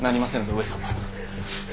上様！